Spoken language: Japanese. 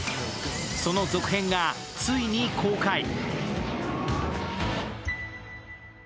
その続編がついに公開。